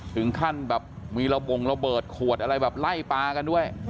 ถึงขั้นแบบมีระบงระเบิดขวดอะไรแบบไล่ปลากันด้วย